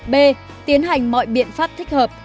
b tiến hành mọi biện pháp thích hợp